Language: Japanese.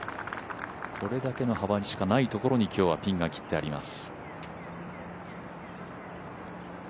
これだけの幅しかないところに今日はピンが切ってあります。